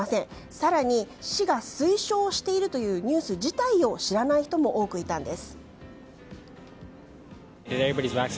更に市が推奨しているというニュース自体を知らない人も多くいたんです。